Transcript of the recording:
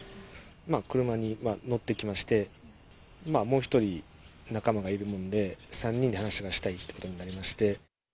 車に乗ってきまして、今、もう１人仲間がいるもんで、３人で話がしたいということになりまして。